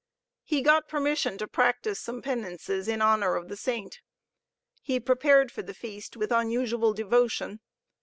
He got permission to practice some penances in honor of the Saint. He prepared for the feast with unusual devotion.